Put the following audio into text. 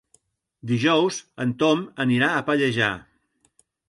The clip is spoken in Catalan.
Dijous en Tom anirà a Pallejà.